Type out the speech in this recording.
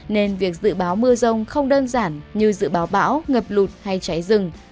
nên việc dự báo mưa rông không đơn giản như dự báo bão ngập lụt hay cháy rừng